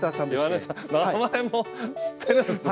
名前も知ってるんですね。